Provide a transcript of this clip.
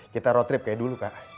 kita road trip kayak dulu kak